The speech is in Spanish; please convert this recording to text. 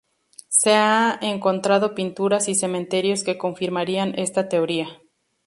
Se ha encontrado pinturas y cementerios que confirmarían esta teoría.